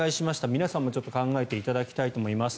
皆さんもちょっと考えていただきたいと思います。